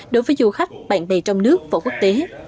đối với du khách bạn bè trong nước và quốc tế